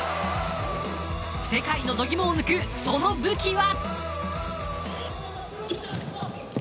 世界の度肝を抜く、その武器は。